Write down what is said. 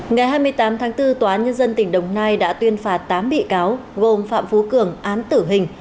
ngày hai mươi tám tháng bốn tòa án nhân dân tỉnh đồng nai đã tuyên phạt tám bị cáo gồm phạm phú cường án tử hình